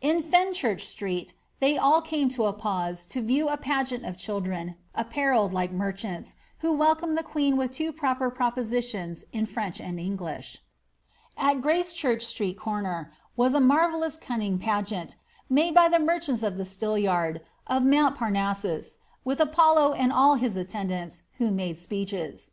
In Fenchurch Street they all came to a pause to view a pageant of children apparelled like merchants, who welcomed the queen with two proper propositions in French and English. At Gracechurch Street corner was a ^ marvellous cunning pageant,'' made by the merchants of the Still yard of mount Parnassus, with Apollo and all his attendants, who made speeches.